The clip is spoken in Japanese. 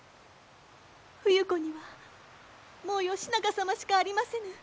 冬子にはもう義仲様しかありませぬ。